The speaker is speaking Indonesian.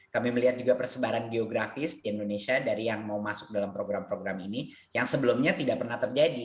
kami melihat juga persebaran geografis di indonesia dari yang mau masuk dalam program program ini yang sebelumnya tidak pernah terjadi